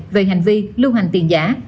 về hành vi lưu hành tiền giả